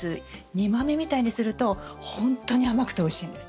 煮豆みたいにするとほんとに甘くておいしいんです。